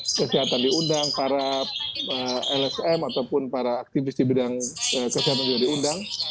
dinas kesehatan diundang para lsm ataupun para aktivis di bidang kesehatan sudah diundang